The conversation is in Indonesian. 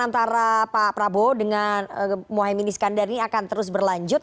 antara pak prabowo dengan mohaimin iskandar ini akan terus berlanjut